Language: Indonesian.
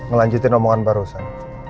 ngelanjutin omongan barusan